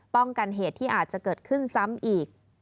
กันเหตุที่อาจจะเกิดขึ้นซ้ำอีก